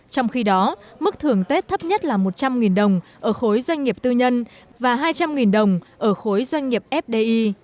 trong khi đó mức thưởng tết thấp nhất là một trăm linh đồng ở khối doanh nghiệp tư nhân và hai trăm linh đồng ở khối doanh nghiệp fdi